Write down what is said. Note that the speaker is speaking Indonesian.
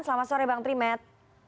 selamat sore bang trimet